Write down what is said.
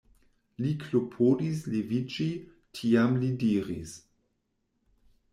Li klopodis leviĝi, tiam li diris: